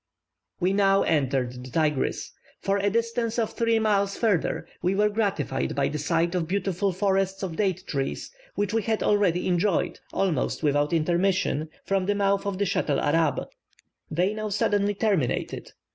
We now entered the Tigris. For a distance of three miles further, we were gratified by the sight of beautiful forests of date trees, which we had already enjoyed, almost without intermission, from the mouth of the Schatel Arab; they now suddenly terminated.